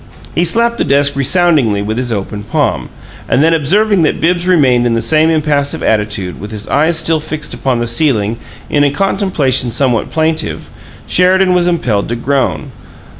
He slapped the desk resoundingly with his open palm, and then, observing that Bibbs remained in the same impassive attitude, with his eyes still fixed upon the ceiling in a contemplation somewhat plaintive, Sheridan was impelled to groan.